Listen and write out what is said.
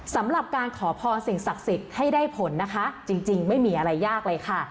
สำหรับการขอพรสิ่งศักดิ์สิทธิ์ให้ได้ผลนะคะจริงไม่มีอะไรยากเลยค่ะ